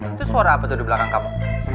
itu suara apa tuh di belakang kamu